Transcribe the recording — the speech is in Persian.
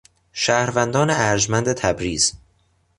شهروندان ارجمند تبریز